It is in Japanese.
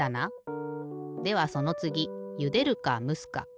ではそのつぎゆでるかむすか。